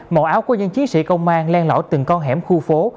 màu áo của những chiến sĩ công an len lỏ từng con hẻm khu phố